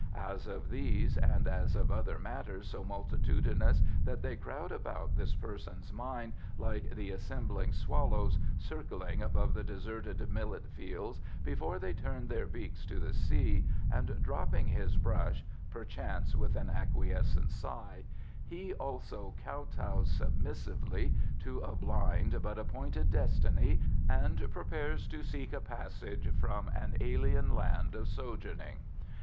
As of these and as of other matters, so multitudinous that they crowd about this person's mind like the assembling swallows, circling above the deserted millet fields before they turn their beaks to the sea, and dropping his brush (perchance with an acquiescent sigh), he, also, kow tows submissively to a blind but appointed destiny, and prepares to seek a passage from an alien land of sojourning.